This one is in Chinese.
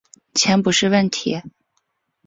钱不是问题